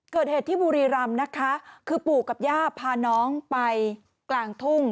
เกิดเหตุที่บุรีรำนะคะคือปู่กับย่าพาน้องไปกลางทุ่ง